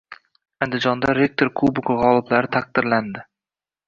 Andijonda “Rektor kubogi” g‘oliblari taqdirlandi